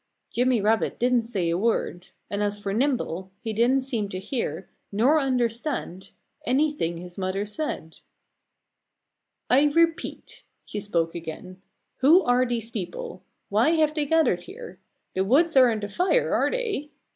Jimmy Rabbit didn't say a word. And as for Nimble, he didn't seem to hear nor understand anything his mother said. "I repeat," she spoke again, "who are these people? Why have they gathered here? The woods aren't afire, are they?"